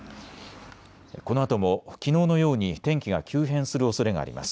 このあともきのうのように天気が急変するおそれがあります。